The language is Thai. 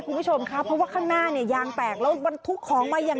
คุณผู้ชมครับเพราะว่าข้างหน้าเนี่ยยางแตกแล้วบรรทุกของมาอย่าง